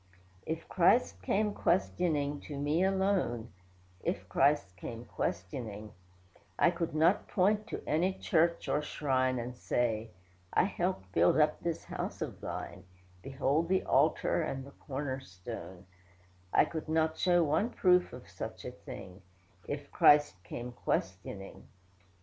If Christ came questioning, to me alone, (If Christ came questioning,) I could not point to any church or shrine And say, 'I helped build up this house of Thine; Behold the altar, and the corner stone'; I could not show one proof of such a thing; If Christ came questioning.